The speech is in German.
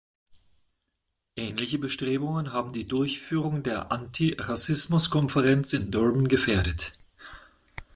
Ähnliche Bestrebungen haben die Durchführung der Anti-Rassismus-Konferenz in Durban gefährdet.